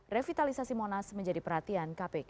revitalisasi monas menjadi perhatian kpk